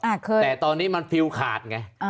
เคยแต่ตอนนี้มันฟิวขาดไงอ่า